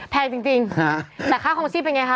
แพงจริงแต่ค่าคลองชีพเป็นไงคะ